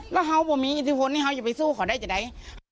แล้วเขาก็มีอิทธิพลที่เขาจะไปสู้เขาได้จะได้